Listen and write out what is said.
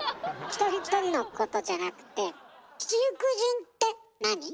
一人一人のことじゃなくて七福神ってなに？